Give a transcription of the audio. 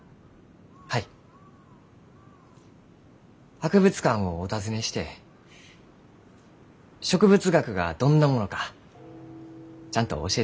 博物館をお訪ねして植物学がどんなものかちゃんと教えてもらいました。